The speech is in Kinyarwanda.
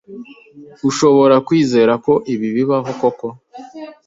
Urashobora kwizera ko ibi bibaho koko?